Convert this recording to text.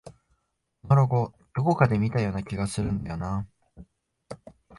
このロゴ、どこかで見たような気がするんだよなあ